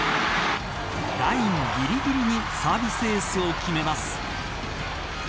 ラインぎりぎりにサービスエースを決めます。